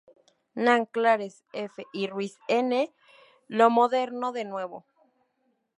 Nanclares F. y Ruiz N. "Lo moderno de nuevo.